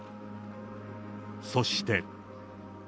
そして。